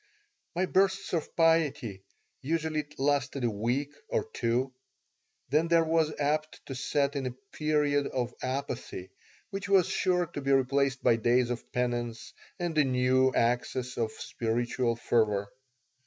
My bursts of piety usually lasted a week or two. Then there was apt to set in a period of apathy, which was sure to be replaced by days of penance and a new access of spiritual fervor.